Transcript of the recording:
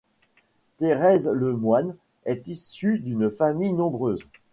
Thérèse Lemoine est issue d'une famille nombreuse.